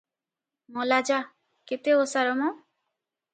ମଲା ଯା - କେତେ ଓସାର ମ!